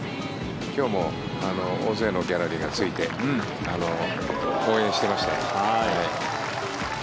今日も大勢のギャラリーがついて応援してました。